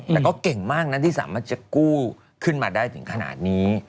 แต่ก็เก่งมากนะที่สามารถจะกู้ขึ้นมาได้ถึงขนาดนี้